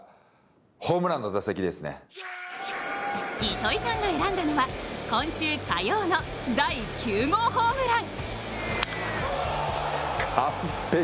糸井さんが選んだのは今週火曜の第９号ホームラン。